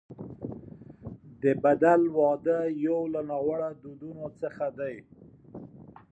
د بدل واده یو له ناوړه دودونو څخه دی.